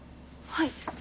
はい。